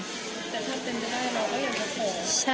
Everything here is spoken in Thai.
แต่ถ้าเต็มจะได้เราก็ยังจะขอ